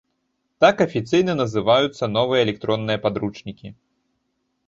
Так афіцыйна называюцца новыя электронныя падручнікі.